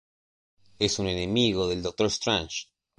Es un enemigo del Doctor Strange.